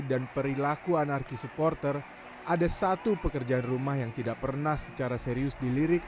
perilaku anarki supporter ada satu pekerjaan rumah yang tidak pernah secara serius dilirik